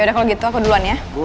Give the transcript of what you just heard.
yaudah kalau gitu aku duluan ya bye